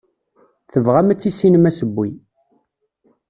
Tebɣam ad tissinem asewwi.